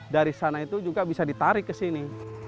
dari sana itu juga bisa ditarik ke sini